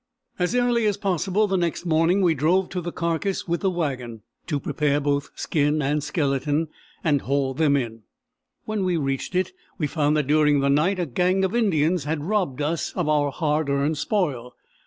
As early as possible the next morning we drove to the carcass with the wagon, to prepare both skin and skeleton and haul them in. When we reached it we found that during the night a gang of Indians had robbed us of our hard earned spoil.